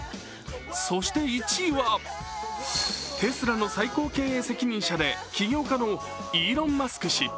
そして、１位はテスラの最高経営責任者で起業家のイーロン・マスク氏。